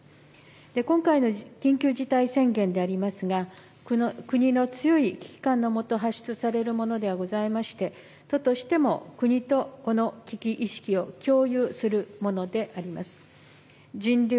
今回の緊急事態宣言でありますが、国の強い危機感のもと、発出されるものではございまして、都としても、国とこの危機意識を共有するものであります。